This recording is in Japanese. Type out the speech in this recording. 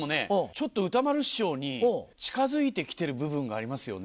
ちょっと歌丸師匠に近づいて来てる部分がありますよね。